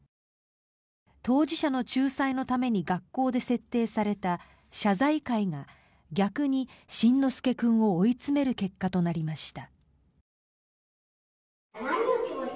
当事者の仲裁のために学校で設定された謝罪会が逆に辰乃輔君を追い詰める結果となりました。